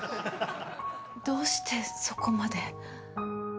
どうしてそこまで。